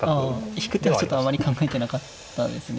引く手はちょっとあんまり考えてなかったですね。